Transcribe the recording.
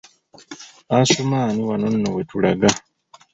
Asumani wano nno wetulaga.